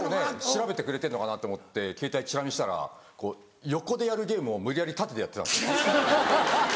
調べてくれてんのかなと思ってケータイちら見したら横でやるゲームを無理やり縦でやってた。